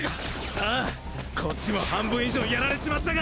ああこっちも半分以上やられちまったが。